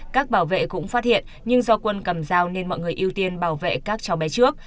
các bảo vệ cũng phát hiện nhưng do quân cầm dao nên mọi người ưu tiên bảo vệ các cháu bé trước